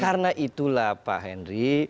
karena itulah pak hendri